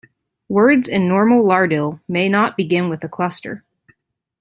Words in normal Lardil may not begin with a cluster.